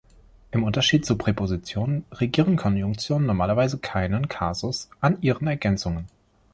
Im Unterschied zu Präpositionen regieren Konjunktionen normalerweise keinen Kasus an ihren Ergänzungen.